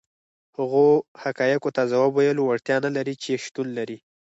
هغو حقایقو ته ځواب ویلو وړتیا نه لري چې شتون لري.